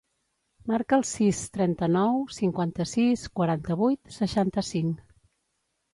Marca el sis, trenta-nou, cinquanta-sis, quaranta-vuit, seixanta-cinc.